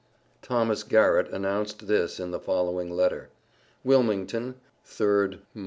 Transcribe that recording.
Thomas Garrett announced this in the following letter: WILMINGTON, 3d mo.